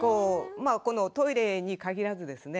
トイレに限らずですね